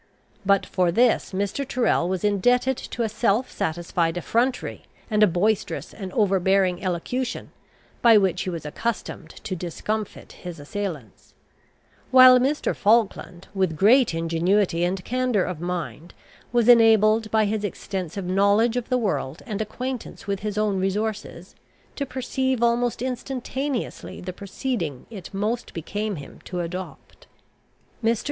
But for this Mr. Tyrrel was indebted to a self satisfied effrontery, and a boisterous and over bearing elocution, by which he was accustomed to discomfit his assailants; while Mr. Falkland, with great ingenuity and candour of mind, was enabled by his extensive knowledge of the world, and acquaintance with his own resources, to perceive almost instantaneously the proceeding it most became him to adopt. Mr.